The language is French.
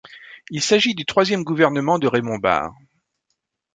Il s’agit du troisième gouvernement de Raymond Barre.